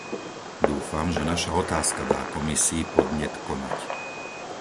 Dúfam, že naša otázka dá Komisii podnet konať.